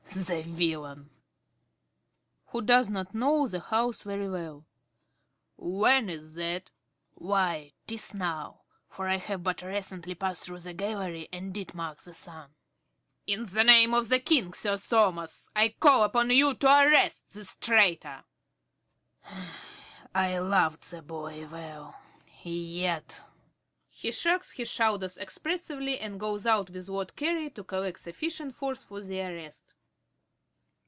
The villain! ~Carey~ (who does not know the house very well). When is that? ~Sir Thomas~. Why, 'tis now, for I have but recently passed through the gallery and did mark the sun. ~Carey~ (fiercely). In the name of the King, Sir Thomas, I call upon you to arrest this traitor. ~Sir Thomas~. I loved the boy well, yet (He shrugs his shoulders expressively and goes out with Lord Carey _to collect sufficient force for the arrest.